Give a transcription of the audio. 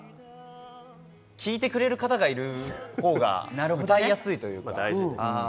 聞いてくれる方がいるほうが歌いやすいというか。